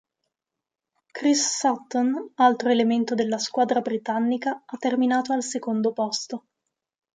Chris Sutton, altro elemento della squadra britannica, ha terminato al secondo posto.